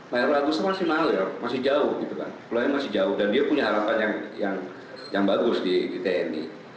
mayor agus masih mahal masih jauh dan dia punya harapan yang bagus di tni